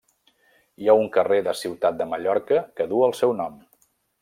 Hi ha un carrer de Ciutat de Mallorca que du el seu nom.